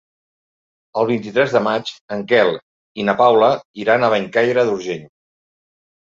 El vint-i-tres de maig en Quel i na Paula iran a Bellcaire d'Urgell.